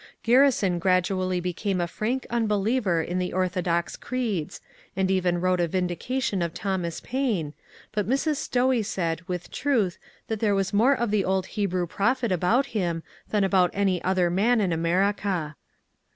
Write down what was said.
Garrison gradually became a frank unbeliever in die ortho dox creeds, and even wrote a vindication of Thomas Paine, but Mrs. Stowe said with truth that there was more of the old Hebrew prophet about him than about any other man in America.